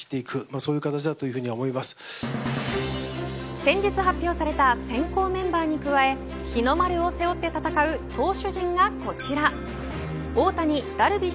先日発表された先行メンバーに加え日の丸を背負って戦う投手陣がこちら。